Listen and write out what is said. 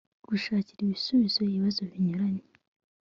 gushakira ibisubizo ibibazo binyuranye